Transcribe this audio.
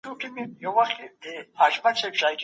مشرانو به نړیوال اصول منلي وي.